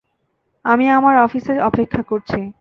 আমি আমার অফিসে অপেক্ষা করছি।